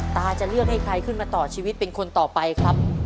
ตาจะเลือกให้ใครขึ้นมาต่อชีวิตเป็นคนต่อไปครับ